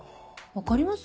分かります？